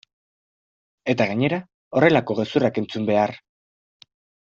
Eta gainera horrelako gezurrak entzun behar!